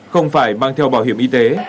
không phải mang theo bảo hiểm y tế